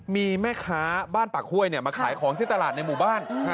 มีแม่ค้าบ้านปากห้วยมาขายของที่ตลาดในหมู่บ้าน